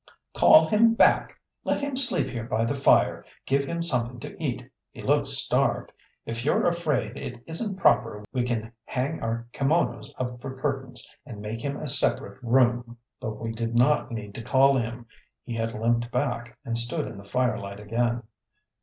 "Call him back. Let him sleep here by the fire. Give him something to eat; he looks starved. If you're afraid it isn't proper we can hang our kimonos up for curtains and make him a separate room." But we did not need to call him. He had limped back and stood in the firelight again.